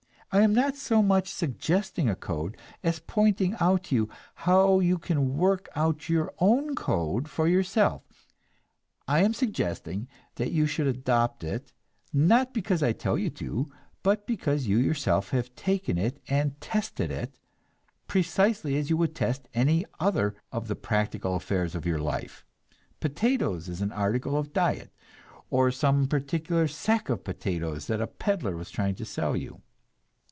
I am not so much suggesting a code, as pointing out to you how you can work out your own code for yourself. I am suggesting that you should adopt it, not because I tell you to, but because you yourself have taken it and tested it, precisely as you would test any other of the practical affairs of your life potatoes as an article of diet, or some particular sack of potatoes that a peddler was trying to sell to you.